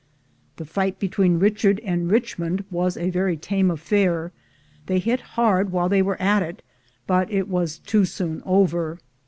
The fight between Richard and Richmond was a very tame affair; they hit hard while they were at it, but it was too soon over.